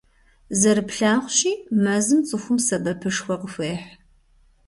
Зэрыплъагъущи, мэзым цӀыхум сэбэпышхуэ къыхуехь.